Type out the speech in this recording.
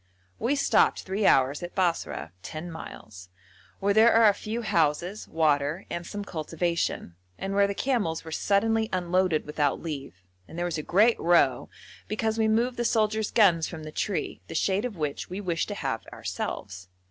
We stopped three hours at Basra (10 miles), where there are a few houses, water, and some cultivation, and where the camels were suddenly unloaded without leave, and there was a great row because we moved the soldiers' guns from the tree, the shade of which we wished to have ourselves.